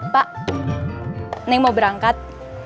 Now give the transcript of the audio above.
pak neng mau berangkat